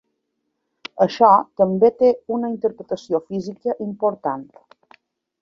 Això també té una interpretació física important.